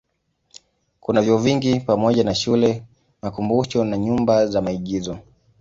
Kuna vyuo vingi pamoja na shule, makumbusho na nyumba za maigizo.